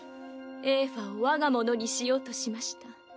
エーファを我が物にしようとしました。